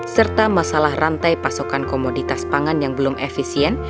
serta masalah rantai pasokan komoditas pangan yang belum efisien